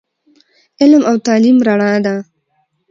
علم او تعليم رڼا ده